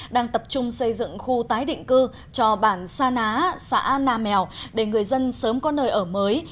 đang tập trung xây dựng khu tái định cư cho bản sa ná xã nam mèo để người dân sớm có nơi ở mới